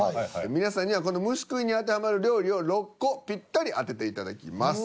皆さんにはこの虫食いに当てはまる料理を６個ぴったり当てていただきます。